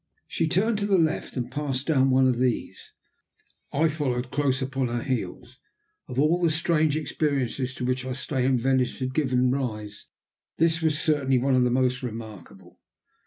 She turned to the left and passed down one of these; I followed close upon her heels. Of all the strange experiences to which our stay in Venice had given rise, this was certainly one of the most remarkable.